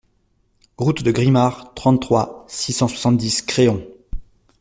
Route de Grimard, trente-trois, six cent soixante-dix Créon